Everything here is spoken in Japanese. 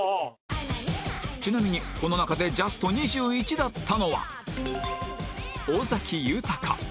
ちなみにこの中でジャスト２１だったのは